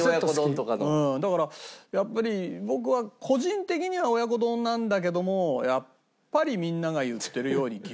だからやっぱり僕は個人的には親子丼なんだけどもやっぱりみんなが言ってるように牛丼だろうな。